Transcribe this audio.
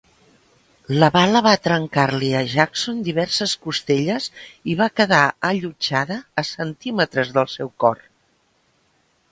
La bala va trencar-li a Jackson diverses costelles i va quedar allotjada a centímetres del seu cor.